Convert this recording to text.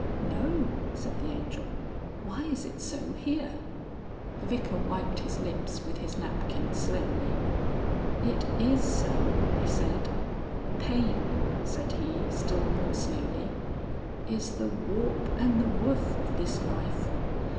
"No," said the Angel. "Why is it so here?" The Vicar wiped his lips with his napkin slowly. "It is so," he said. "Pain," said he still more slowly, "is the warp and the woof of this life.